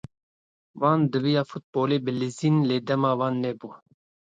Wan diviya futbolê bi lîzin lê dema wan nebû